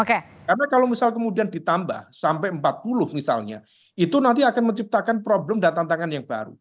karena kalau misal kemudian ditambah sampai empat puluh misalnya itu nanti akan menciptakan problem dan tantangan yang baru